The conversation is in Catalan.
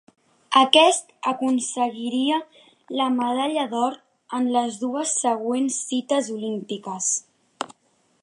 Aquest aconseguiria la medalla d'or en les dues següents cites olímpiques.